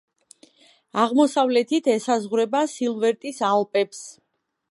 აღმოსავლეთით ესაზღვრება სილვრეტის ალპებს.